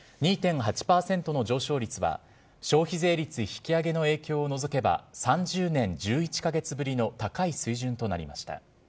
２．８％の上昇率は消費税率引き上げの影響を除けば、３０年１１か月ぶりの高い水準となりました。